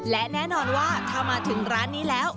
และแน่นอนว่าถ้ามาถึงร้านนี้แล้ว